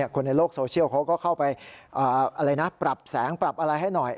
คนในโลกโซเชียลเขาก็เข้าไปปรับแสงปรับอะไรให้หน่อย